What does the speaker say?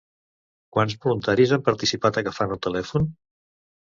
Quants voluntaris han participat agafant el telèfon?